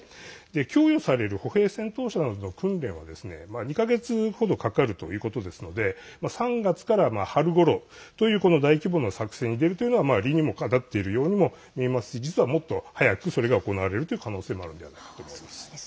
供与される歩兵戦闘車などの訓練は２か月程かかるということですので３月から春ごろという大規模な作戦に出るというのは理にもかなっているようにもみえますし、実はもっと早くそれが行われるという可能性もあるのではないかと思います。